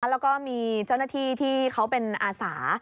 แล้วก็มีเจ้าหน้าที่ที่เขาเป็นอาสา